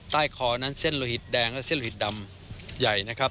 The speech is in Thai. ใต้คอนั้นเส้นละหิดแดงและเส้นละหิดดำใหญ่